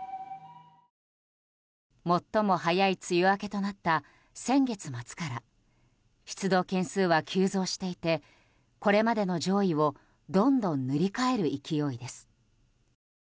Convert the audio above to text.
最も早い梅雨明けとなった先月末から出動件数は急増していてこれまでの上位をどんどん塗り替える勢いです。